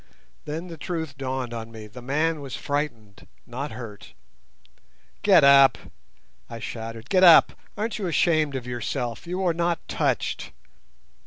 Then the truth dawned on me—the man was frightened, not hurt. "Get up!" I shouted, "Get up. Aren't you ashamed of yourself? You are not touched."